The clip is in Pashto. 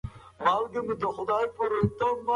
په ټول اسمان کې د نوې واورې هېڅ نښه نه لیدل کېده.